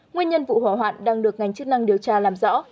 nguyên nhân vụ hỏa hoạn đang được ngành chức năng điều tra làm rõ